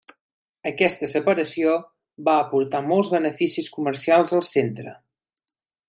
Aquesta separació va aportar molts beneficis comercials al centre.